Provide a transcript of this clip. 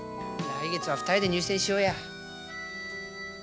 来月は２人で入選しようや。